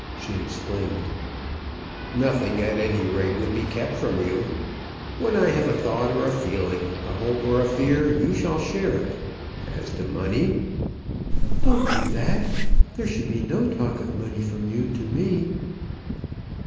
she exclaimed. "Nothing, at any rate, would be kept from you. When I have a thought or a feeling, a hope or a fear, you shall share it. As to money " "Don't do that. There should be no talk of money from you to me."